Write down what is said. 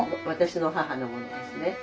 私の母のものですね。